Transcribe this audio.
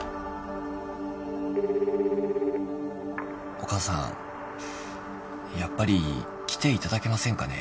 ☎お母さんやっぱり来ていただけませんかね。